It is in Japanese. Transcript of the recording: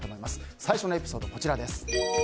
最初のエピソードです。